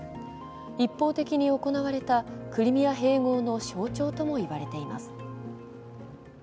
一方的に行われたクリミア併合の象徴ともいわれています。